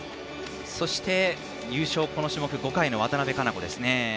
そして優勝、この種目５回の渡部香生子ですね。